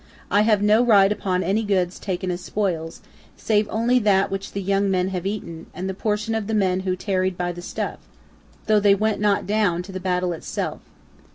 I have no right upon any goods taken as spoils, save only that which the young men have eaten, and the portion of the men who tarried by the stuff, though they went not down to the battle itself."